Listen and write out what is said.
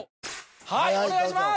はいお願いします